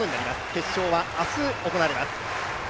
決勝は明日行われます。